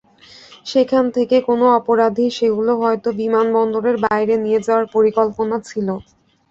সেখান থেকে কোনো অপরাধীর সেগুলো হয়তো বিমানবন্দরের বাইরে নিয়ে যাওয়ার পরিকল্পনা ছিল।